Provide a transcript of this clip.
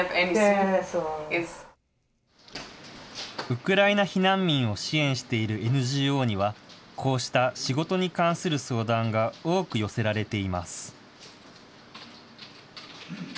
ウクライナ避難民を支援しているＮＧＯには、こうした仕事に関する相談が多く寄せられています。